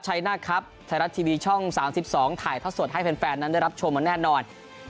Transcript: ชัยหน้าครับไทยรัฐทีวีช่อง๓๒ถ่ายทอดสดให้แฟนนั้นได้รับชมมาแน่นอน